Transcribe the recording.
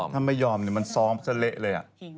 ทำให้ยอมมันซ้อมเสียเละเลย